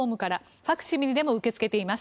ファクシミリでも受け付けています。